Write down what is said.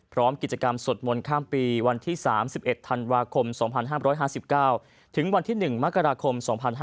พร้อมกิจกรรมสวดมนต์ข้ามปีวันที่๓๑ธันวาคม๒๕๕๙ถึงวันที่๑มกราคม๒๕๕๙